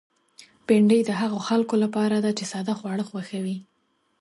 بېنډۍ د هغو خلکو لپاره ده چې ساده خواړه خوښوي